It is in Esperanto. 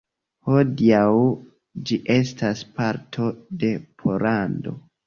Hodiaŭ ĝi estas parto de Pollando.